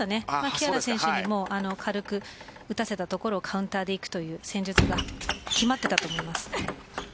木原選手にも軽く打たせたところをカウンターでいくという戦術が決まっていたと思います。